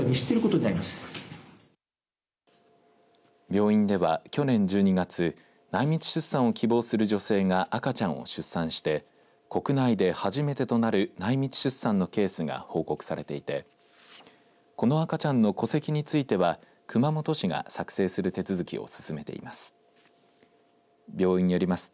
病院では、去年１２月内密出産を希望する女性が赤ちゃんを出産して国内で初めてとなる内密出産のケースが報告されていてこの赤ちゃんの戸籍については熊本市が作成する手続きを進めています。